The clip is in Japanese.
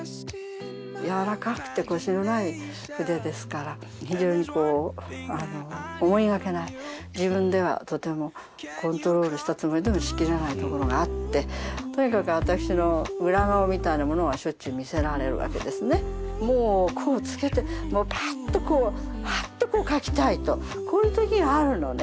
柔らかくてコシのない筆ですから非常に思いがけない自分ではとてもコントロールしたつもりでもしきれないところがあってとにかくもうこうつけてパッとこうハッとこう描きたいとこういう時があるのね。